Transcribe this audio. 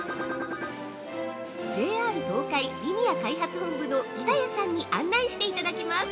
ＪＲ東海リニア開発本部の北谷さんに案内していただきます。